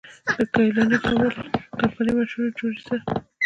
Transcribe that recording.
د ګيلاني کول کمپني مشهور جوړي سر،